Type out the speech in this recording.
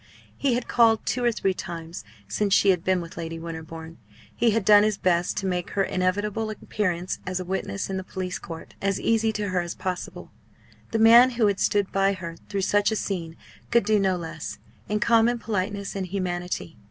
He had called two or three times since she had been with Lady Winterbourne; he had done his best to make her inevitable appearance as a witness in the police court, as easy to her as possible; the man who had stood by her through such a scene could do no less, in common politeness and humanity.